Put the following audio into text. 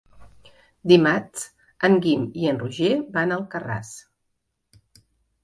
Dimarts en Guim i en Roger van a Alcarràs.